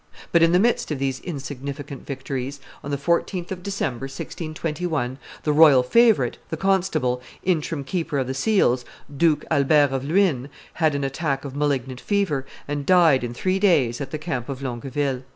But in the midst of these insignificant victories, on the 14th of December, 1621, the royal favorite, the constable, interim keeper of the seals, Duke Albert of Luynes, had an attack of malignant fever, and died in three days at the camp of Longueville.